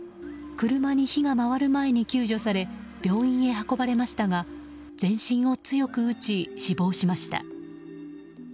車に火が回る前に救助され病院へ運ばれましたが全身を強く打ち死亡しました。